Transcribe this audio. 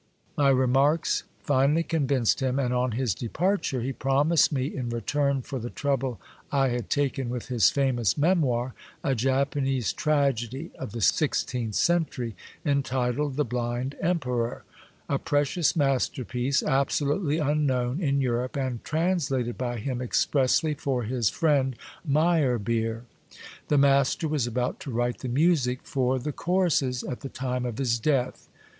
My remarks finally convinced him, and on his departure he promised me, in return for the trouble I had taken' with his famous Memoir, a Japanese tragedy of the sixteenth century, entitled The Blmd Emperor, a precious masterpiece, absolutely unknown in Europe, and translated by him expressly for his friend Meyerbeer. The master was about to write the music for the choruses at the time of his death.